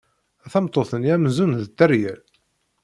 Tameṭṭut-nni amzun d Tteryel.